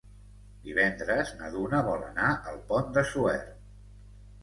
Divendres na Duna vol anar al Pont de Suert.